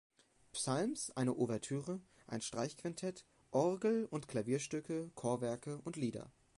Psalms, eine Ouvertüre, ein Streichquintett, Orgel- und Klavierstücke, Chorwerke und Lieder.